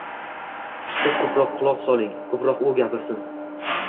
Siz ko‘proq quloq soling, ko‘proq u gapirsin.